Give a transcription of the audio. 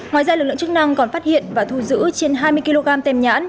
ngoài ra lực lượng chức năng còn phát hiện và thu giữ trên hai mươi kg tem nhãn